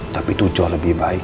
tapi itu jauh lebih baik